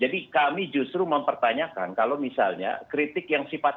jadi kami justru mempertanyakan kalau misalnya kritik yang sifatnya sangat sarkastik